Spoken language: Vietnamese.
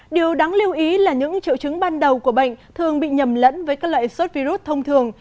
điều đáng lưu ý là những triệu chứng ban đầu của bệnh thường bị nhầm lẫn với các loại sốt virus thông thường